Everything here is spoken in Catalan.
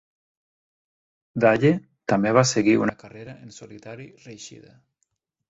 Daye també va seguir una carrera en solitari reeixida.